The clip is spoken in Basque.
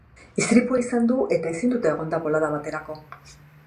Istripua izan du eta ezinduta egongo da bolada baterako.